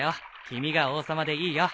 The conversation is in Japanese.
君が王様でいいよ。